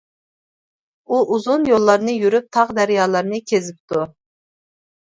ئۇ ئۇزۇن يوللارنى يۈرۈپ، تاغ-دەريالارنى كېزىپتۇ.